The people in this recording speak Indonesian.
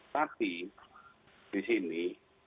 tapi di sini